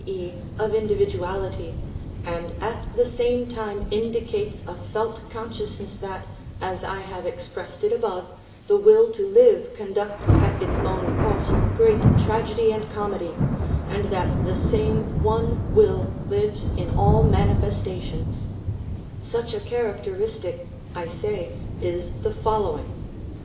e._, of individuality, and at the same time indicates a felt consciousness that, as I have expressed it above, the will to live conducts at its own cost the great tragedy and comedy, and that the same one will lives in all manifestations,—such a characteristic, I say, is the following.